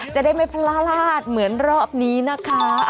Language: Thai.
จะได้ไม่พลาดเหมือนรอบนี้นะคะ